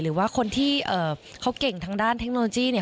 หรือว่าคนที่เขาเก่งทางด้านเทคโนโลยีเนี่ย